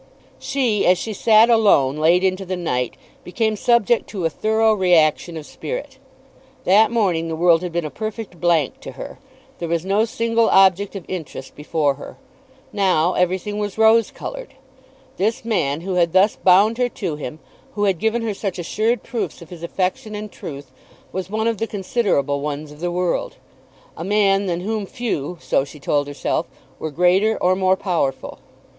She, as she sat alone, late into the night, became subject to a thorough reaction of spirit. That morning the world had been a perfect blank to her. There was no single object of interest before her. Now everything was rose coloured. This man who had thus bound her to him, who had given her such assured proofs of his affection and truth, was one of the considerable ones of the world; a man than whom few, so she now told herself, were greater or more powerful.